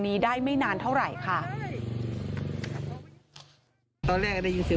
พี่บุหรี่พี่บุหรี่พี่บุหรี่พี่บุหรี่